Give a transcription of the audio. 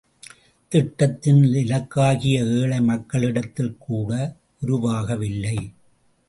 திட்டத்தின் இலக்காகிய ஏழை மக்களிடத்தில் கூட உருவாகவில்லை!